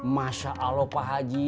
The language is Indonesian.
masa allah pak haji